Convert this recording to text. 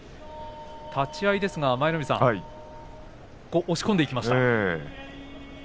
立ち合いですが舞の海さん押し込んでいきました。